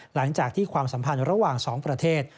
หลังจากที่ความสัมพันธ์ระหว่าง๒ประเทศ